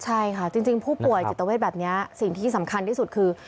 ใช่ค่ะจริงผู้ป่วยจิตเวทแบบนี้สิ่งที่สำคัญที่สุดคือ